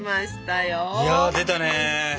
いや出たね。